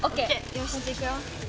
よしじゃあいくよ。